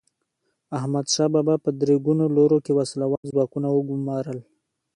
احمدشاه بابا په درې ګونو لورو کې وسله وال ځواکونه وګمارل.